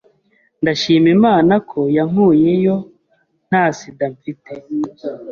ndashima Imana ko yankuyeyo nta SIDA mfite,